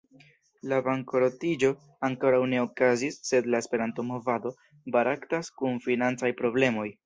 La bankrotiĝo ankoraŭ ne okazis, sed la Esperanto-movado baraktas kun financaj problemoj.